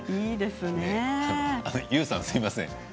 ＹＯＵさん、すみません